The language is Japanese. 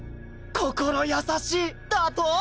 心優しいだと？